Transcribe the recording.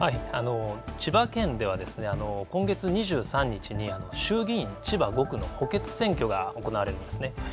千葉県では今月２３日に衆議院千葉５区の補欠選挙が行われるんです。